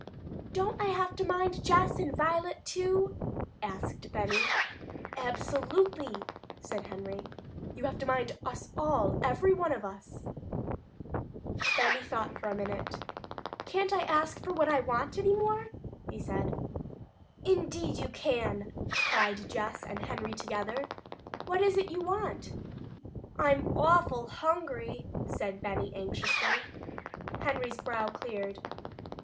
"Don't I have to mind Jess and Violet too?" asked Benny. "Absolutely!" said Henry. "You have to mind us all, every one of us!" Benny thought a minute. "Can't I ask for what I want any more?" he said. "Indeed you can!" cried Jess and Henry together. "What is it you want?" "I'm awful hungry," said Benny anxiously. Henry's brow cleared.